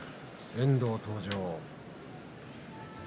遠藤、登場。